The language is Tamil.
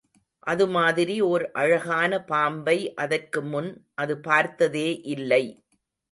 அது மாதிரி ஓர் அழகான பாம்பை அதற்கு முன் அது பார்த்ததே இல்லை.